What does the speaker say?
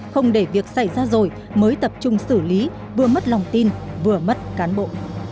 không để việc xảy ra rồi mới tập trung xử lý vừa mất lòng tin vừa mất cán bộ